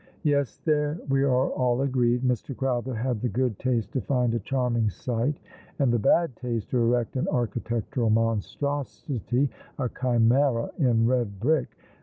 " Yes, there we are all agreed. Mr. Crowther had the good taste to find a charming site, and the bad taste to erect an architectural monstrosity, a chimera in red brick.